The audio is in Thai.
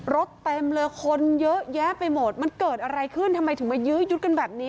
เต็มเลยคนเยอะแยะไปหมดมันเกิดอะไรขึ้นทำไมถึงมายื้อยุดกันแบบนี้